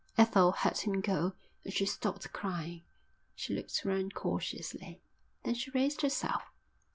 Ethel heard him go and she stopped crying. She looked round cautiously, then she raised herself.